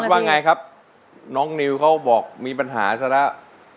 ว่าไงครับน้องนิวเขาบอกมีปัญหาซะแล้ว